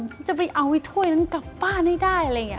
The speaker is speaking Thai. ฉันจะไปเอาไอ้ถ้วยนั้นกลับบ้านให้ได้อะไรอย่างนี้